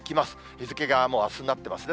日付がもうあすになってますね。